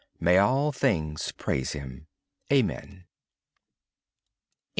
May all things praise Him. Amen.